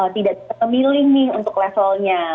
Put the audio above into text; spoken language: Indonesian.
tidak terkemilin nih untuk levelnya